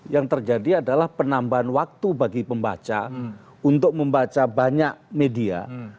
yang terjadi adalah penambahan waktu bagi pembaca untuk membaca banyak media